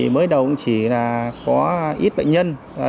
mới đầu cũng chỉ là có ít bệnh nhân